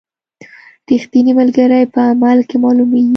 رښتینی ملګری په عمل کې معلومیږي.